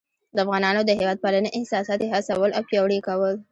د افغانانو د هیواد پالنې احساسات یې هڅول او پیاوړي یې کول.